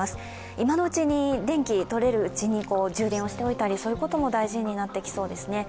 今のうちに電気をとれるうちに充電をしておいたり、そういうことも大事になってきそですね。